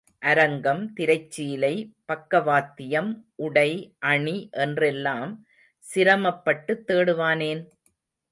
அரங்கம், திரைச்சீலை, பக்க வாத்தியம், உடை அணி என்றெல்லாம் சிரமப்பட்டுத் தேடுவானேன்?